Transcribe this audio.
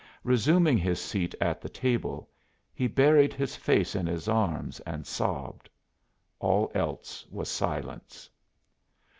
Resuming his seat at the table, he buried his face in his arms and sobbed. All else was silence.